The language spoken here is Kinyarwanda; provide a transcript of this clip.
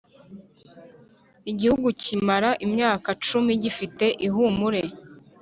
igihugu kimara imyaka cumi gifite ihumure